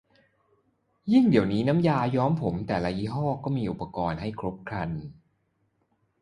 ยิ่งเดี๋ยวนี้น้ำยาย้อมผมแต่ละยี่ห้อก็มีอุปกรณ์ให้ครบครัน